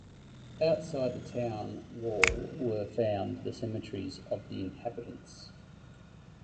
Outside the town wall were found the cemeteries of the inhabitants.